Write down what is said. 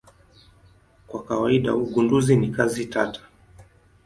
Kwa kawaida ugunduzi ni kazi tata.